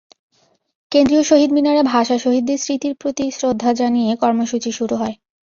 কেন্দ্রীয় শহীদ মিনারে ভাষা শহীদদের স্মৃতির প্রতি শ্রদ্ধা জানিয়ে কর্মসূচি শুরু হয়।